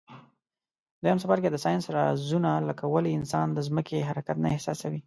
دویم څپرکی د ساینس رازونه لکه ولي انسان د ځمکي حرکت نه احساسوي.